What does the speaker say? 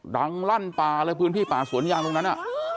ลั่นป่าเลยพื้นที่ป่าสวนยางตรงนั้น